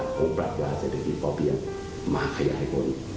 กรมปราบยาเศรษฐกิจพอเพียงมาขยายผล